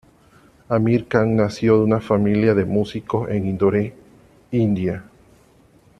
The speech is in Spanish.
Amir Khan nació de una familia de músicos en Indore, India.